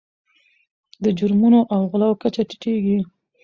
د جرمونو او غلاو کچه ټیټیږي.